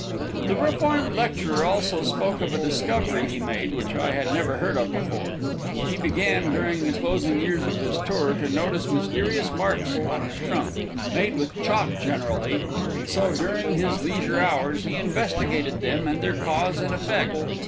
The reformed lecturer also spoke of a discovery he made, which I had never heard of before. He began, during the closing years of his tour, to notice mysterious marks on his trunk, made with chalk generally, and so, during his leisure hours, he investigated them and their cause and effect.